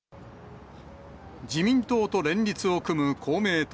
自民党と連立を組む公明党。